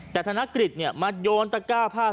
แต่ธนกฤทธิ์เนี่ยมาโยนตาก้าผ้า